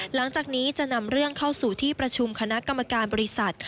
หลังจากนี้จะนำเรื่องเข้าสู่ที่ประชุมคณะกรรมการบริษัท